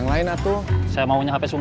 kita udah nyuruh